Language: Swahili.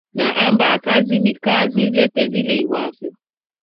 Naamba kazi ni kazi, vyovyote vile iwavyo